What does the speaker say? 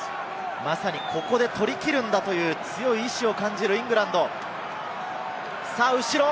まさに、ここで取り切るんだという強い意志を感じるイングランド。さぁ、後ろ。